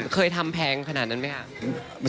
เคยทำแพงขนาดนั้นไหมคะ